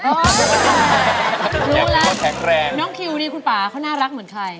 รู้แล้วแข็งแรงน้องคิวนี่คุณป่าเขาน่ารักเหมือนใคร